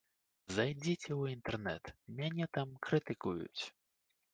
Зайдзіце ў інтэрнэт, мяне там крытыкуюць.